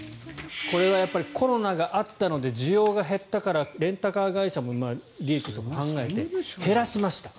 これはコロナがあったので需要が減ったからレンタカー会社も利益とかを考えて減らしました。